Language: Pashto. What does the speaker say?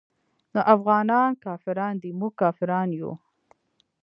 نو افغانان کافران دي موږ کافران يو.